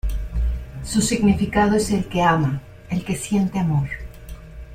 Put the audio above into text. Su significado es 'el que ama', 'el que siente amor'.